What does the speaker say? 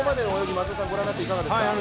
御覧になっていかがですか？